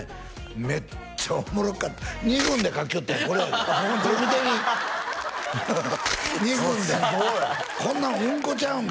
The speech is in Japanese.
めっちゃおもろかった２分で描きよったんやこれこれ見てみ２分でこんなんうんこちゃうんか？